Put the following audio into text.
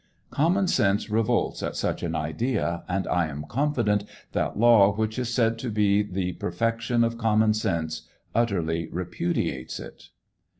Common sense revolts at such an idea, and I am confident that law which is said to be the perfection of common sense utterly repudiates it.